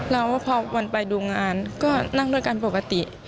แล้วพอวันไปดูงานก็นั่งด้วยกันปกติ